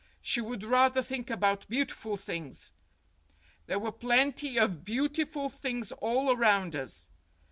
She would rather think about beautiful things. There were plenty of beautiful things all around us.